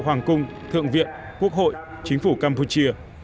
hoàng cung thượng viện quốc hội chính phủ campuchia